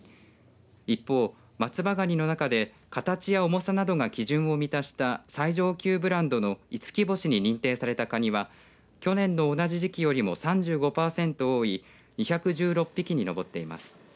一方、松葉がにの中で形や重さなどが基準を満たした最上級ブランドの五輝星に認定されたかには去年の同じ時期よりも３５パーセント多い２１６匹に上っています。